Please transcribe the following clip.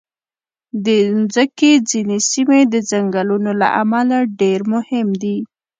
د مځکې ځینې سیمې د ځنګلونو له امله ډېر مهم دي.